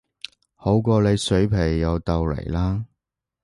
好過你水皮又豆泥啦